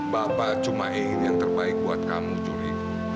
bapak cuma ingin yang terbaik buat kamu curi